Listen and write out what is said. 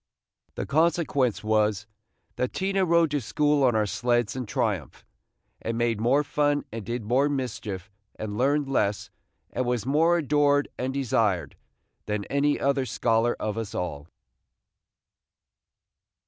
The consequence was, that Tina rode to school on our sleds in triumph, and made more fun, and did more mischief, and learned less, and was more adored and desired, than any other scholar of us all.